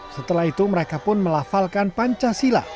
setelah itu mereka pun melafalkan pancasila